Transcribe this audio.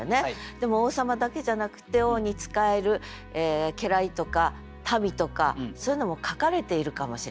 でも王様だけじゃなくて王に仕える家来とか民とかそういうのも描かれているかもしれない。